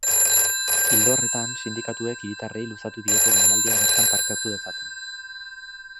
Ildo horretan, sindikatuek hiritarrei luzatu diete deialdia bertan parte hartu dezaten.